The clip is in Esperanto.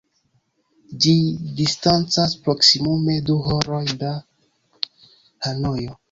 Ĝi distancas proksimume du horoj de Hanojo.